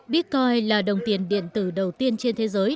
bitcoin là đồng tiền điện tử đầu tiên trên thế giới